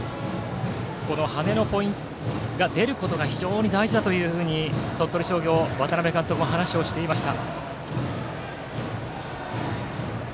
羽根が出ることが非常に大事だというふうに鳥取商業の渡辺監督は話をしていました。